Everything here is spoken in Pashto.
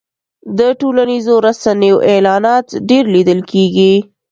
د ټولنیزو رسنیو اعلانات ډېر لیدل کېږي.